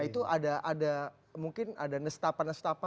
itu ada mungkin ada nestapa nestapa